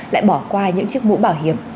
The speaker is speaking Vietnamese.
lại bỏ qua những chiếc mũ bảo hiểm